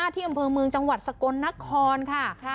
ที่อำเภอเมืองจังหวัดสกลนครค่ะ